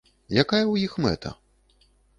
Якая ў іх мэта?